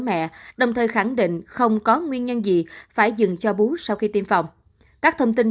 mẹ đồng thời khẳng định không có nguyên nhân gì phải dừng cho bú sau khi tiêm phòng các thông tin